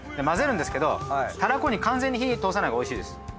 混ぜるんですけどたらこに完全に火通さないほうがおいしいです。